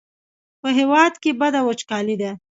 په هېواد کې بده وچکالي ده.